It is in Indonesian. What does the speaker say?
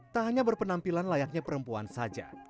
tak hanya berpenampilan layaknya perempuan saja